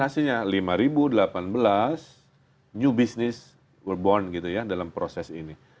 dan hasilnya lima delapan belas new business were born gitu ya dalam proses ini